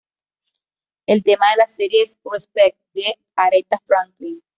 El tema de la serie es "Respect" de Aretha Franklin.